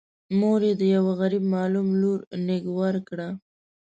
مور یې د یوه غريب معلم لور نږور کړه.